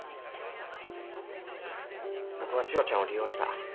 僕は千代ちゃんを利用した。